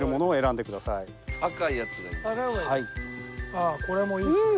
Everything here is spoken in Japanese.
ああこれもいいですね。